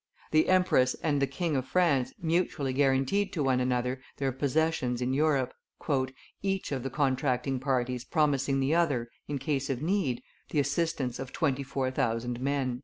The empress and the King of France mutually guaranteed to one another their possessions in Europe, "each of the contracting parties promising the other, in case of need, the assistance of twenty four thousand men."